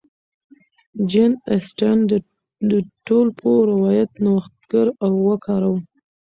جین اسټن د ټولپوه روایت نوښتګر وکاراوه.